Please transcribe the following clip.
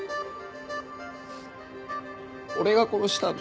俺が殺したんだ。